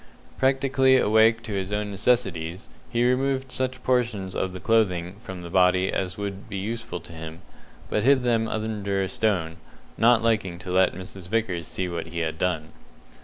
Practically awake to his own necessities, he removed such portions of clothing from the body as would be useful to him, but hid them under a stone, not liking to let Mrs. Vickers see what he had done.